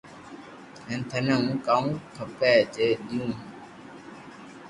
جي ٿني ھون ڪاو کپي جي ديو